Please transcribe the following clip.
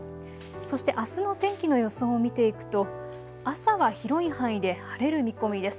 そしてあすの天気の予想を見ていくと朝は広い範囲で晴れる見込みです。